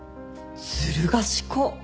ずる賢っ。